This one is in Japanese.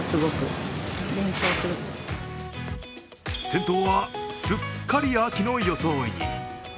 店頭はすっかり秋の装いに。